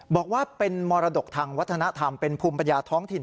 บอกว่าเป็นมรดกทางวัฒนธรรมเป็นภูมิปัญญาท้องถิ่น